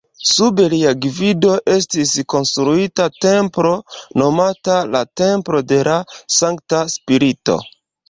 Sub lia gvido estis konstruita templo nomata la "Templo de la Sankta Spirito".